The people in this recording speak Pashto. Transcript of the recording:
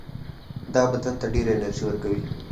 دا بدن ته ډېره انرژي ورکوي.